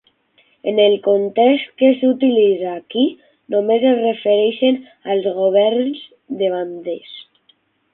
En el context que s'utilitza aquí, només es refereix als governs de bandes.